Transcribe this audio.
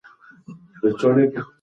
روغتیا د احتیاط غوښتنه کوي.